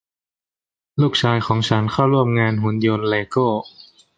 ลูกชายของฉันเข้าร่วมงานหุ่นยนต์เลโก้